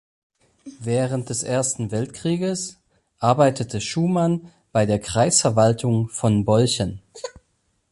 Während des Ersten Weltkrieges arbeitete Schuman bei der Kreisverwaltung von Bolchen.